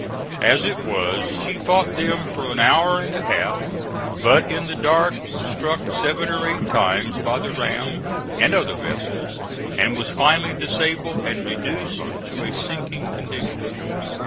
As it was she fought them for an hour and a half, but, in the dark, was struck seven or eight times by the ram and other vessels, and was finally disabled and reduced to a sinking condition.